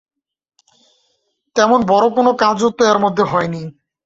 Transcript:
তেমন বড়ো কোনো কাজও তো এর মধ্যে হয় নি।